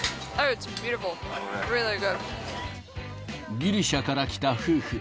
ギリシャから来た夫婦。